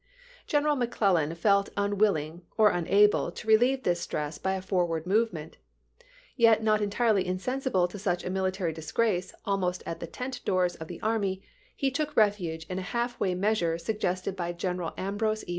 General McClellan felt unwilling or unable to relieve this stress by a forward move ment. Yet not entirely insensible to such a military disgrace almost at the tent doors of the army, he took refuge in a half way measure suggested by General Ambrose E.